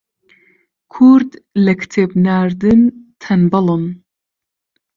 کورد لە کتێب ناردن تەنبەڵن